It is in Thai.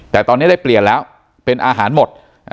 แต่ตอนนี้ได้เปลี่ยนแล้วเป็นอาหารหมด